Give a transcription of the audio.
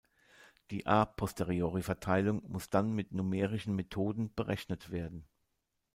Die A-posteriori-Verteilung muss dann mit numerischen Methoden berechnet werden.